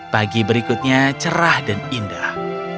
pagi berikutnya cerah dan indah